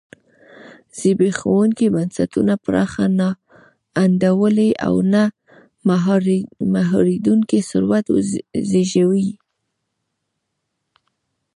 زبېښونکي بنسټونه پراخه نا انډولي او نه مهارېدونکی ثروت زېږوي.